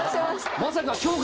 まさか。